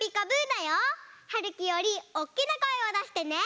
だよ。はるきよりおっきなこえをだしてね。